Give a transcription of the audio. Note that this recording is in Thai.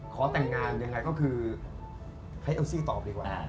ขอแต่งงานยังไงก็คือให้เอลซี่ตอบดีกว่า